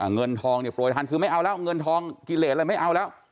เงินทองเนี่ยโปรยทันคือไม่เอาแล้วเงินทองกิเลสอะไรไม่เอาแล้ว